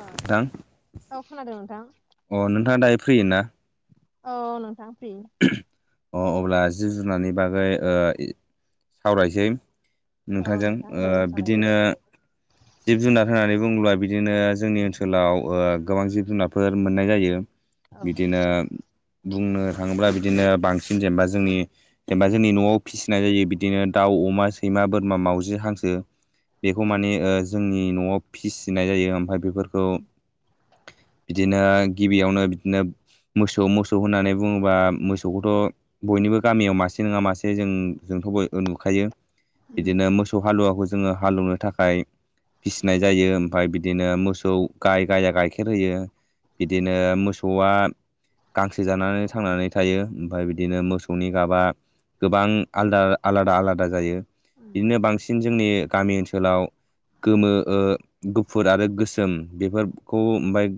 औ नोंथां औ खोनादों नोंथां। अ नोंथाङा दायो फ्रिय ना? औ नोंथां फ्रि। अ अब्ला जि जुनारनि बागै सावरायसै। औ नोंथांजों नोंथां दे सावरायदो बिदिनो जिब जुनार होननानै बुङोब्ला बिदिनो जोंनि ओनसोलाव गोबां जिब जुनारफोर मोननाय जायो। औ बिदिनो बुंनो थाङोब्ला बिदिनो बांसिन जेनेबा जोंनि जेनेबा जोंनि न'आव फिसिनाय जायो बिदिनो दाउ अमा सैमा बोरमा मावजि हांसो बेखौ उम मानिे जोंनि न'आव फिसिनाय जायो ओमफफ्राय बेफोरखौ बिदिनो गिबियावनो बिदिनो मोसौ मोसौ होनानै बुङोबा मोसौखौथ' बयनिबो गामियाव मासे नङा मासे जों जोंथ' बय नुखायो उम बिदिनो मोसौ हालुवाखौ जोङो हालेौवनो थाखाय फिसिनाय जायो ओमफ्राय बिदिनो मोसौ गाय गाया गाइखेर होयो। बिदिनो मोसौआ गांसो जानानै थांनानै थायो ओमफ्राय बिदिनो मोसौनि गाबा गोबां आलादा आलादा आलादा जायो बिदिनो बांसिन जोंनि गामि ओनसोलाव गोमो गुफुर आरो गोसोम बेफोरखौ ओमफफ्राय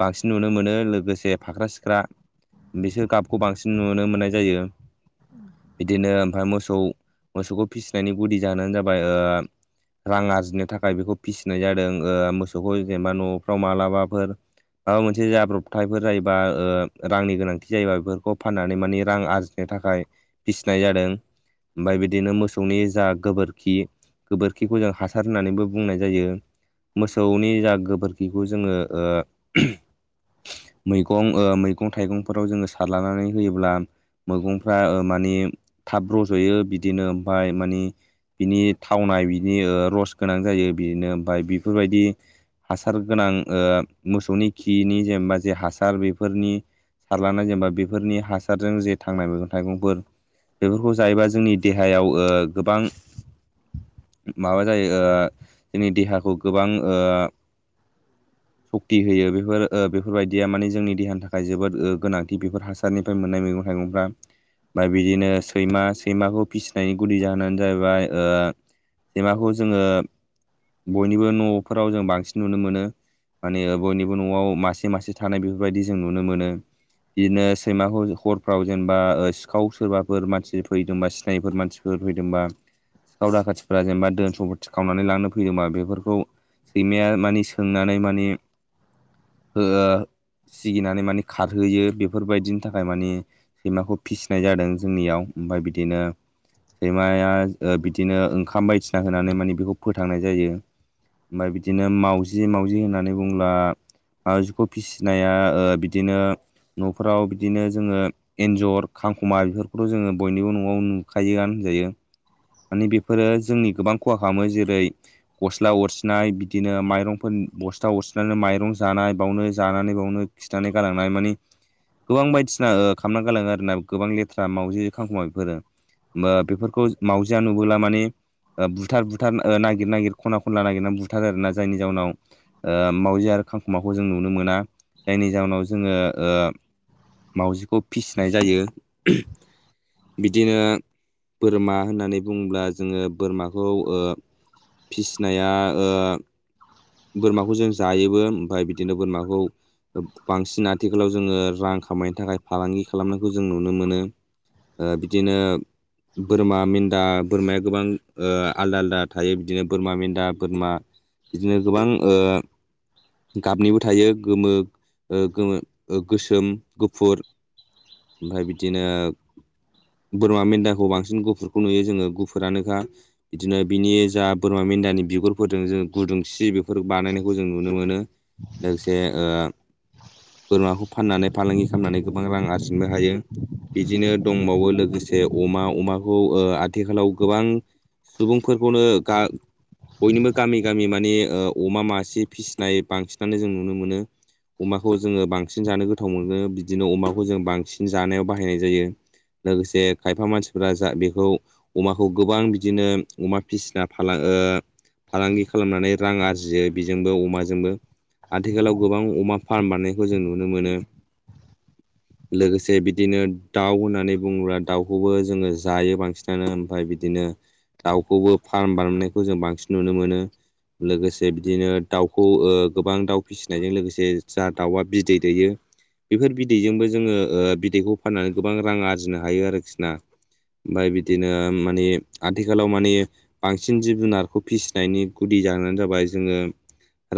बांसिन नुनो मोनो लोगोसे फाख्रा सिख्रा बिसोर गाबखौ बांसिन नुनो मोननाय जायो बिदिनो ओमफ्राय मोसौ मोसौखौ फिसिनायनि गुदि जाहोनानो जाबाय रां आरजिनो थाखाय बेखौ फिसिनाय जादों मोसौखौ जेनेबा न'फ्राव मालाबाफोर मोनसे जाब्रबथायफोर जायोबा रांनि गोनांथि फि जायोबा बेफोरखौ फाननानै माने रां आरजिनो थाखाय फिसिनाय जादों। ओमफफ्राय बिदिनो मोसौनि जा गोबोरखि गोबोरखिखौ जों हासार होननानैबो बुंनाय जायो मोसौनि जा गोबोरखिखौ जोङो मैगं मैगं थाइगंफोराव जोङो सारलानानै होयोब्ला मैगंफ्रा मानिे थाब रज'यो बिदिनो ओमफफ्राय मानि बिनि थावनाय बिनि रस गोनां जायो बिदिनो ओमफफ्राय बेफोरबायदि हासार गोनां मोसौनि खिनि जेनेबा जे हासार बेफोरनि सारलानाय जेनेबा बेफोरनि हासारजों जे थांनाय मैगं थाइगंफोर बेफोरखौ जायोबा जोंनि देहायाव गोबां माबा जायो जोंनि देहाखौ गोबां ओ सक्ति होयो बेफोर बेफोरबायदिया माने जोंनि देहानि थाखाय जोबोद गोनांथि बेफोर हासारनिफ्राय मोननाय मैगं थाइगंफ्रा ओमफ्राय बिदिनो सैमा सैमाखौ फिसिनायनि गुदि जाहोनानो जाहैबाय सैमाखौ जोङो बयनिबो न'फोराव जों बांसिन नुनो मोनो माने बयनिबो न'आव मासे मासे थानाय बेफोरबायदि जों नुनो मोनो बिदिनो सैमाखौ हरफ्राव जेनेबा सिखाव सोरबाफोर मानसि फैदोंबा सिनायफोर मानसि सोर फैदोंबा सिखाव दाखाथिफोरा जेनेबा दोन सम्फथि खावनानै लांनो फैदोंबा बेफोरखौ सैमाया मानि सोंनानै मान सिगिनानै मान खारहोयो बेफोरबायदिनि थाखाय मानिे सैमाखौ फिसिनाय जादों जोंनियाव ओमफफ्राय बिदिनो सैमाया बिदिनो ओंखाम बायदिसिना होनानै मानिे बेखौ फोथांनाय जायो। ओमफ्राय बिदिनो मावजि मावजि होननानै बुंङब्ला मावाउजिखौ फिसिनाया ओ बिदिनो न'फोराव बिदिनो जोङो एन्जर खांख'मा बेफोरखौथ' जोङो बयनिबो न'आव नुखायोगोन होनजायो। माने बेफोरो जोंनि गोबां खहा खालामो जेरै गस्ला अरसिनाय बिदिनो माइरंफोर बस्ला अरसिनानै माइरं जानाय बावनो जानानै बावनो थिनानै गालांनाय माने गोबां बायदिसिना खालामना गालाङो आरो ना गोबां लेथ्रा मावजि खांखुमा बेफोरो बा बेफोरखौ मावजिया नुबोला माने बुथार बुथार नागिर नागिर खना खनला नागिरनानै बुथार आर ना जायनि जाउनाव मावजि आरो खांखुमाखौ जों नुनो मोना जायनि जाहोनाव जोङो मावजिखौ फिसिनाय जायो बिदिनो बोरमा होननानै बुङोब्ला जोङो बोरमाखौ फिसिनाया ओ बोरमाखौ जों जायोबो ओमफ्राय बिदिनो बोरमाखौ बांसिन आथिखालाव जोङो रां खामायनो थाखाय फालांगि खालामनायखौ जों नुनो मोनो ओ बिदिनो बोरमा मेन्दा बोरमाया गोबां ओ आलदा आलदा थायो बिदिनो बोरमा मेन्दा बोरमा [inaudible] बिदिनो गोबां ओ गाबनिबो थायो गोमो ओ गोमो गोसोम गुफुर ओमफ्राय बिदिनो बोरमा मेन्दाखौ बांसिन गुफुरखौ नुयो जोङो गुफुरानोखा बिदिनो बिनि जा बोरमा मेन्दानि बिगुरफोरदों जों गुदुं सि बेफोर बानायनायखौ जों नुनो मोनो लोगोसे ओ बोरमाखौ फाननानै फालांगि खालामनानै गोबां रां आरजिनो हायो बिदिनो दंबावो लोगोसे अमा अमाखौ ओ आथिखालाव गोबां सुबुंफोरखौनो गा बयनिबो गामि गामि मान मानि ओ अमा मासे फिसिनाय बांसिनानो जों नुनो मोनो अमाखौ जोङो बांसिन जानो गोथाव मोनो बिदिनो अमाखौ जों बांसिन जानायाव बाहायनाय जायो। लोगोसे खायफा मानसिफोरा जा बेखौ अमाखौ गोबां बिदिनो अमा फिसिना फालां फालांगि खालामनानै रां आरजियो बेजोंबो अमाजोंबो आथिखालाव गोबां अमा फार्म बारनायखौ जों नुनो मोनो लोगोसे बिदिनो दाउ होननानै बुङोब्ला दाउखौबो जोङो जायो बांसिनानो ओमफ्राय बिदिनो दाउखौबो फार्म बानायनायखौ जों बांसिन नुनो मोनो लोगोसे बिदिनो दाउखौ ओ गोबां दाउ फिसिनायजों लोगोसे जा दाउआ बिदै दैयो बेफोर बिदैजोंबो जोङो ओ बिदैखौ फाननानै गोबां रां आरजिनो हायो आरोखि ना ओमफ्राय बिदिनो माने आथिखालाव माने बांसिन जिब जुनारखौ फिसिनायनि जानो जाबाय जोङो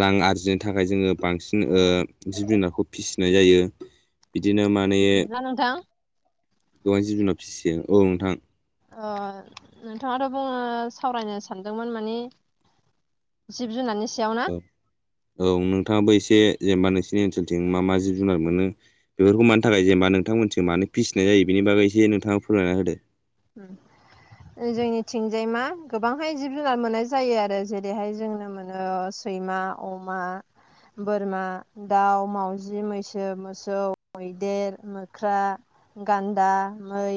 रां आरजिनो थाखाय जोङो बांसिन ओ औ जिब जुनारखौ फिसिनाय जायो बिदिनो माने बिदिब्ला नोंथां गोबां जिब जुनार फिसियो औ नोंथां अ नोंथाङाथ' बुङो सावरायनो सानदोंमोन माने जिब जुनारनि सायावनो औ औ नोंथाङाबो एसे जेनेबा नोंसिनि ओनसोलथिं मा मा जिब जुनार मोनो बेफोरखौ मानि थाखाय जेनेबा नोंथांमोनसिखौ मानो फिसिनाय जायो बेनि बागै एसे नोंथाङा फोरमायना होदो [inaudible] जोंनि थिंजायमा गोबांहाय जिब जुनार मोननाय जायो आरो जेरैहाय जोंनो मोनो ओ सैमा अमा बोरमा दाउ मावजि मैसो मोसौ मैदेर मोख्रा गान्दा मै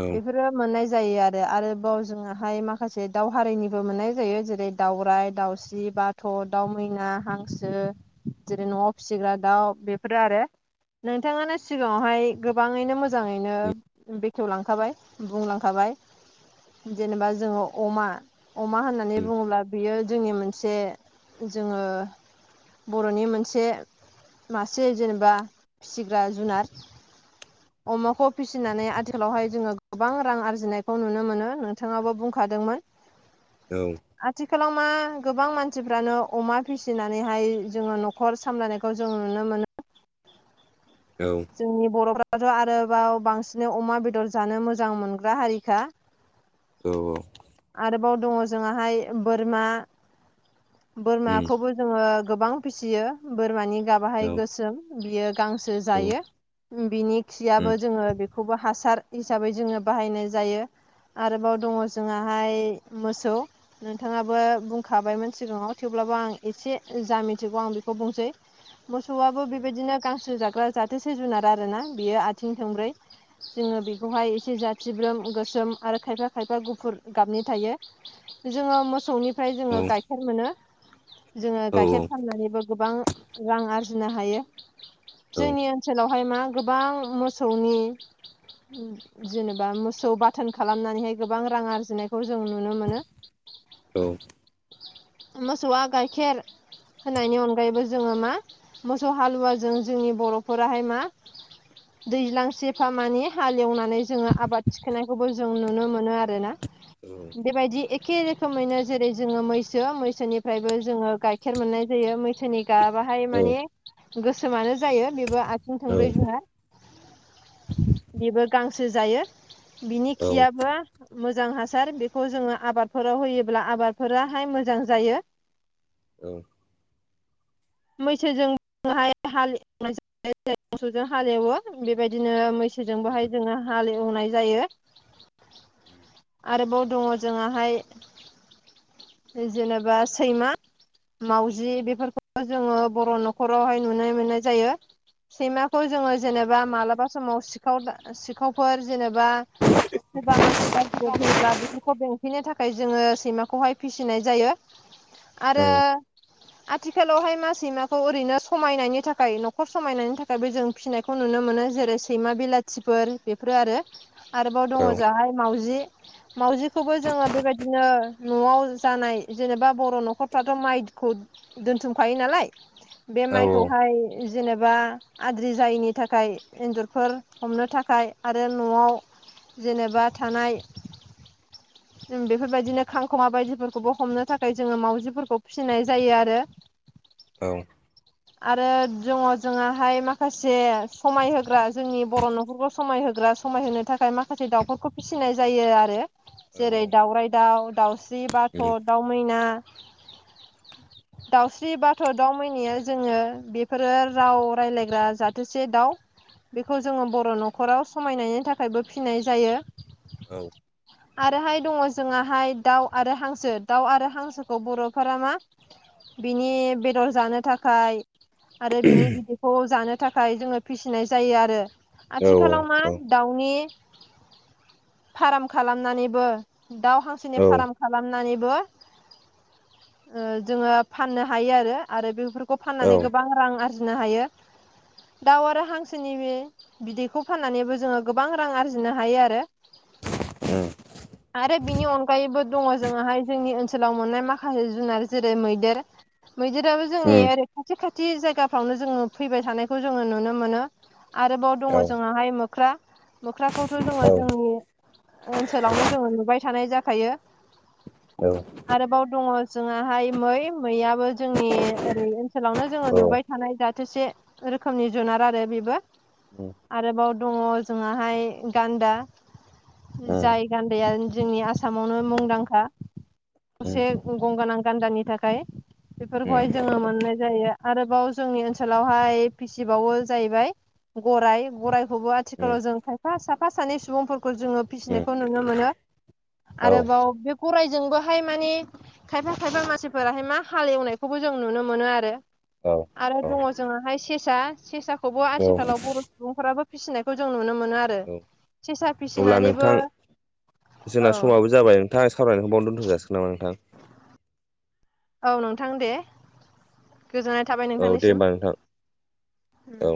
औ फोरो मोननाय जायो आरो आरोबाव जोंनाहाय माखासे दाावहारिनिबो मोननाय जायो जेरै दाावराइ दाउस्रि सि बाथ' दाउ मैना हांसो जेरै न'आव फिसिग्रा दाउ बेफोरो आरो नोंथाङानो सिगाङावहाय गोबाङैनो मोजाङैनो बेखेवलांखाबाय बुंलांखाबाय जेनेबा जोङो अमा अमा होननानै उम बुङोब्ला बियो जोंनि मोनसे। जोङो बरनि मोनसे मासे जेनेबा फिसिग्रा जुनार। अमाखौ फिसिनानै आथिखालावहाय जोङो। गोबां रां आरजिनायखौ नुनो मोनो नोंथाङाबो बुंखादोंमोन। औ आथिखालाव मा गोबां मानसिफ्रानो अमा फिसिनानैहाय जोङो नख खर सामलायनायखौ जों नुनो मोनो। औ जोंनि बरफ्राथ आरोबाव बांसिन अमा बेदर जानो मोजां मोनग्रा हारिखा। औ औ आरोबाव दङ जोंआहाय बोरमा उम बोरमाखौबो। जोङो गोबां फिसियो बोरमानि औ गाबाहाय गोसोम बियो गांसो औ जायो। बिनि उम औ खियाबो जोङो बेखौबो हासार हिसाबै जोङो बाहायनाय जायो। आरोबाव दङ जोंहाहाय मोसौ। नोंथाङाबो बुंखाबायमोन सिगाङाव थेवब्लाबो आं एसे मोसौआबो बेबायदिनो गांसो जाग्रा जाथोसे जुनार आर ना बियो आथिं थंब्रै। जोङो बेखौहाय एसे जाथिब्रोम गोसोम आरो खायफा खायफा गुफुर गाबनि थायो जोङो मोसौनिफ्राय जोङो गाइखेर मोनो। जोङो गाइखेर फाननानैबो गोबां रां आरजिनो हायो जोंनिओ नसेलावहाय मा गोबां मोसौनि। जेनेबा मोसौ बाथोन खालामनानैहाय गोबां रां आर फिनायखौ जों नुनो मोनो। औ मोसौवा गयखेर होनायनि अनगायैबो जोङो मा मोसौ हालुवाजों जोंनि बरफोराहाय मा? दैज्लां सेफा मानि हालेवनानै जोङो आबाद थिखोनायखौबो जों नुनो मोनो आर ना। बेबायदि एखे रोखोमैनो जेरै जोङो मैसो मैसोनिफ्रायबो जोङो गाय खेर मोननाय जायो मैसोनि गाबाहाय माने गोसोमानो जायो बेबो आथिं थांब्रै जुनार। बेबो गांसो जायो बिनि खियाबबो मोज मोजां हासार बेखौ जोङो आबादफोराव होयोब्ला आबादफोराहाय मोजां जायो। मैसोजोंहाय हालवनाय ज मोसौजों हालेवो बेबायदिनो मैस जोंबोहाय जोङो हालेवनाय जायो। [inaudible] आरोबाव दङ जोंहाहाय। जेनेबा सैमा मावजि बेफोरखौ। जोङो बर नखरावहाय नुनाय मोननाय जायो। सैमाखौ जोङो जेनेबा मालाबा समाव सिखाव दा सिखावफोर जेनेबा सोरबा मानसि गाज्रिबो फैयोब्ला बेफोरखौ बेंफैनो थाखाय जोङो सैमाखौहाय फिसिनाय जायो। आरो आथिखालावहाय मासिमाखौ ओरैनो समायनायनि थाखाय नखर समायनायनि थाखायबो जों फिसिनायखौ। खौ नुनो मोनो जेरै सैमा बिलाथिफोर बेफोरो आरो आरोबाव दङ जाहाय मावाउजि। मावाउजिखौबो जोङो बेबायदिनो नआव जानाय जेनेबा बर नखरफ्राथ माइ। खौ दोनथुमखायो नालाय बे औ माइखौहाय जेनेबा। आद्रि जायैनि थाखाय एन्जरफोर हमनो थाखाय आरो नआव। जेनेबा थानाय [inaudible] बेफोरबायदिनो खांखमा बायदिफोरखौबो हमनो थाखाय जोङो मावजिफोरखौ फिसिनाय जायो आरो। औ। आरो दङ जोंआहाय माखासे समायहोग्रा जोंनि बर' न'खरखौ समायहोग्रा समायहोनो थाखाय माखासे दाउफोरखौ फिसिनाय जायो आरो। औ जेरै औ दाउरराय दाउ दाउस्रि उम बाथ' दाउ मैना। दाउस्रि बाथ' दाउ मनिया जोङो बेफोरो राव राय्लायग्रा जाथोसे दाउ। बेखौ जोङो बर' औ न'खराव समायनायनि थाखायबो फिनाय जायो। औ। आरोहाय दङ जोंहाय दाउ आरो हांसो दाउ आरो हांसोखौ बर'फोरा मा? बिनि बेदर जानो थाखाय आरो बिनि बिदि खौ जानो थाखाय़ फिसिनाय जायो आरो, आथीखालाउ मा? औ दाउनि फार्म खालामनानैबो दाउ हांसोनि औ फार्म खालामनानैबो ओ जोङो फाननो हायो आरो, आरो बेफोरखौ खौ औ फाननानै उम गोबां रां आरजिनो हायो। दाउ आरो हांसोनि बे बिदैखौ फाननानैबो जोङो गोबां रां आरजिनो हायो आरो। [inaudible] आरो बिनि अनगायैबो दङ जोंाहाय जोंनि ओनसोलाव मोननाय माखासे जुना जेरै मैदेर मैदेराबो जोंनि उम ओरै खाथि खाथि जायगाफ्रावनो जोङो फैबाय थानायखौ जोङो नुनो मोनो। आरोबाव औ दङ जोंाहाय मोख्रा मोख्राखौथ' जोङो औ जोंनि ओनसोलावनो जोङो नुबाय थानाय जाखायो। [unintelligible] आरोबाव दङ जोङहा गाहाय मै मैयाबो जोंनि ओरै ओनसोलावनो उम जोङो नुबाय थानाय जाथोसे रोखोमनि जुनार आरो बेबो। उम आरोबाव दङ जोंहाहाय गान्दा। जाय गान्दाया जोंनि आसामावनो मुंदांखा। उम गसे गंगोनां गान्दानि थाखाय। बेफोरखौहाय जोङो मोननाय जायो आरोबाव जोंनि ओनसोलावहाय फिसिबावो जाहैबाय गराइ गराइखौबो उम आथिखालाव जों खायफा साफा सानै सुबुंफोरखौ जोङो फिसिनायखौ नुनो मोनो। [inaudible] आरोबाव बे गरायजोंबोहाय माने खायफा थाइबा मानसिफोराहाय मा हाल एवनायखौबो जों नुनो मोनो आरो। औ आरो औ दङ जोंाहाय सेसा सेसाखौबो औ आथिखालाव बर' सुबुंफोराबो फिसिनायखौ जों नुनो मोनो आरो। औ। सेसा अब्ला फिसिनानैबो नोंथां औ जोंना समाबो जाबाय नोंथां सावरायनायखौ बावनो दोनथ'जासिगोन नामा नोंथां। औ नोंथां दे गोजोननाय थाबाय औ दे नोंथांनिसिम। होमबा नोंथां औ